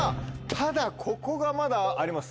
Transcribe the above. ただここがまだあります